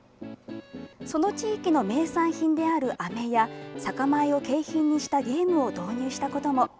その地域の名産品であるあめや酒米を景品にしたゲームを導入したことも。